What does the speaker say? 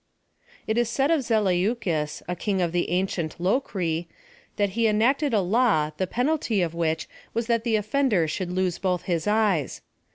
It is said of Zeleucus, a king of the ancient Locri, tliat he enacted a law the penalty of which was that the offender should lose both his eyes.